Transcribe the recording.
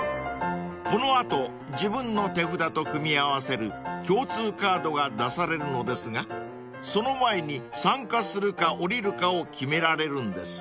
［この後自分の手札と組み合わせる共通カードが出されるのですがその前に参加するか降りるかを決められるんです］